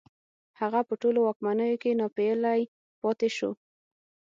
هغه په ټولو واکمنيو کې ناپېيلی پاتې شو